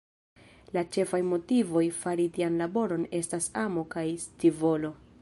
La ĉefaj motivoj fari tian laboron estas amo kaj scivolo.